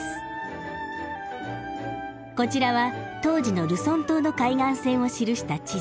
こちらは当時のルソン島の海岸線を記した地図。